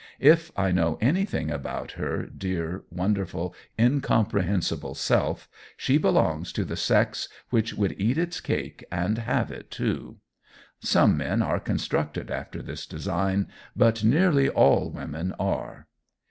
If I know anything about her dear, wonderful, incomprehensible self, she belongs to the sex which would eat its cake and have it, too. Some men are constructed after this design. But nearly all women are.